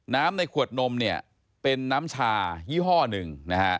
น้ำในขวดนมเนี่ยเป็นน้ำชายี่ห้อหนึ่ง